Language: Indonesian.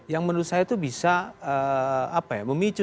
yang menurut saya itu bisa memicu